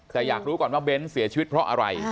แต่อยากรู้ก่อนว่าเบ้นเสียชีวิตเพราะอะไร